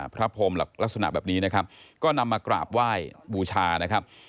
พรมลักษณะแบบนี้นะครับก็นำมากราบไหว้บูชานะครับ